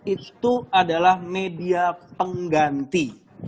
itu adalah media pengganti